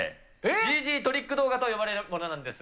ＣＧトリック動画と呼ばれるものなんです。